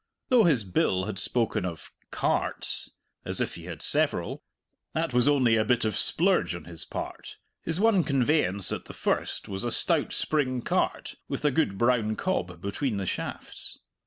Though his bill had spoken of "carts," as if he had several, that was only a bit of splurge on his part; his one conveyance at the first was a stout spring cart, with a good brown cob between the shafts.